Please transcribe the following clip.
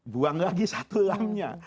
buang lagi satu lam nya